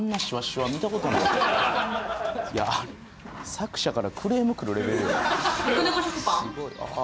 作者からクレームくるレベルよ。